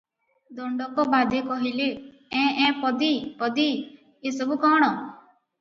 ଦଣ୍ଡକ ବାଦେ କହିଲେ-ଏଁ -ଏଁ -ପଦୀ! ପଦୀ! ଏ ସବୁ କଣ?